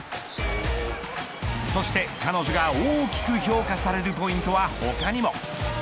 そして彼女が大きく評価されるポイントは他にも。